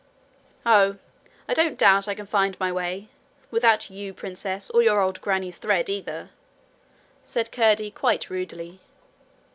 'Oh! I don't doubt I can find my way without you, princess, or your old grannie's thread either,' said Curdie quite rudely.